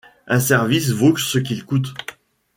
Un service vaut ce qu’il coûte.